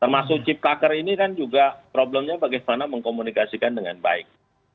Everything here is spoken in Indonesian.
termasuk ciptaker ini kan juga problemnya bagaimana mengkomunikasikan dengan baik